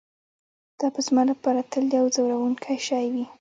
دا به زما لپاره تل یو ځورونکی شی وي